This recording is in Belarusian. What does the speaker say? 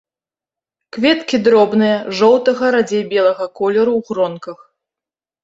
Кветкі дробныя, жоўтага, радзей белага колеру, у гронках.